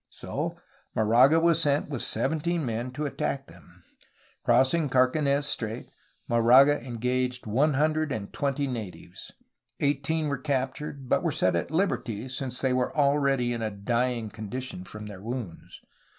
So Moraga was sent with seventeen men to attack them. Crossing Carquines Strait, Moraga engaged one hundred and twenty natives. Eighteen were captured, but were set at Uberty since they were already in a dying condition from their wounds.